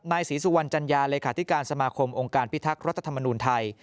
นายศรีสุวรรณจัญญาเลขาธิการสมาคมองค์การพิทักษ์รัฐธรรมนูลไทย